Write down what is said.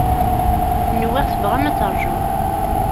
Nwiɣ tebɣam ad terjum.